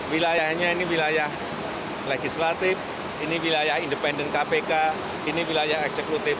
wilayahnya ini wilayah legislatif ini wilayah independen kpk ini wilayah eksekutif